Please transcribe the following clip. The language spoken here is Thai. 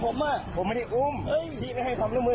พูดไม่ดูเรื่องอย่างนี้แหละ